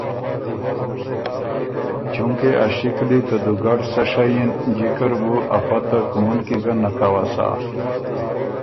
چونکې ا شِکلی ته دُوګډ سۀ شئ اِن جکه ر بُو آ پته مُنکی ګه نک اؤسا